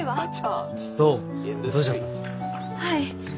はい。